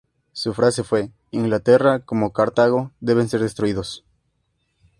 Su frase fue "¡Inglaterra, como Cartago, debe ser destruida!